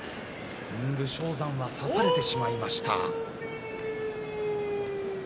武将山は差されてしまいました。